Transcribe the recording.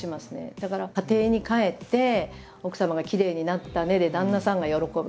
だから家庭に帰って奥様が「きれいになったね」で旦那さんが喜ぶ。